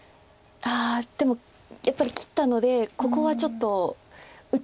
ああでもやっぱり切ったのでここはちょっと打ちにくい。